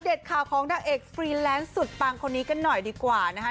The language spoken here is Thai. ข่าวของนางเอกฟรีแลนซ์สุดปังคนนี้กันหน่อยดีกว่านะคะ